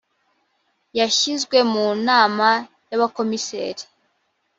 yashyizwe mu nama y ‘abakomiseri